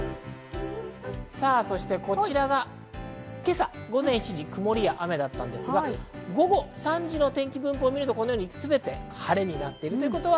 こちらが今朝午前７時、曇りや雨だったんですが、午後３時の天気分布を見ると、全て晴れになっています。